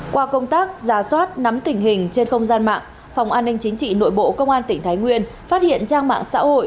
qua công tác giả soát nắm tình hình trên không gian mạng phòng an ninh chính trị nội bộ công an tỉnh thái nguyên phát hiện trang mạng xã hội